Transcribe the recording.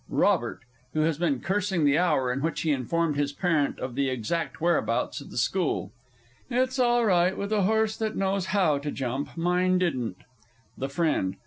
ROBERT (who has been cursing the hour in which he informed his parent of the exact whereabouts of the school). It's all right with a horse that knows how to jump. Mine didn't. THE FRIEND.